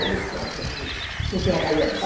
僕出身は台湾です